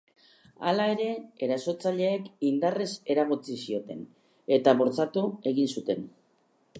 Hala ere, erasotzaileek indarrez eragotzi zioten, eta bortxatu egin zuten.